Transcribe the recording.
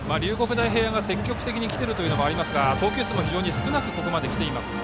大平安が積極的にきているというのもありますが投球数も非常に少なくここまで来ています。